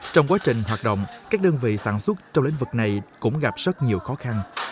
trong quá trình hoạt động các đơn vị sản xuất trong lĩnh vực này cũng gặp rất nhiều khó khăn